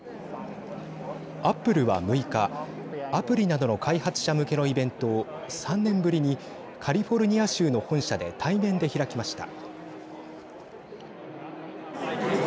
アップルは６日アプリなどの開発者向けのイベントを３年ぶりにカリフォルニア州の本社で対面で開きました。